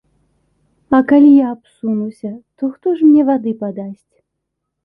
А калі я абсунуся, то хто ж мне вады падасць?